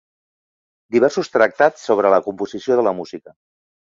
Diversos tractats sobre la composició de la música.